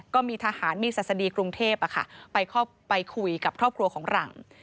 ก็มีทหารมีศัษฎีกรุงเทพไปคุยกับครอบครัวของหลัง